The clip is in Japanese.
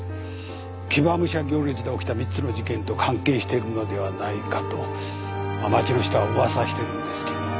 騎馬武者行列で起きた３つの事件と関係してるのではないかと町の人は噂してるんですけどね。